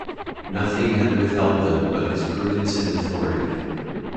Nothing had withheld them but his prudence and authority.